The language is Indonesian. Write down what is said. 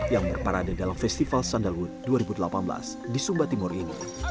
yang berparade dalam festival sandalwood dua ribu delapan belas di sumba timur ini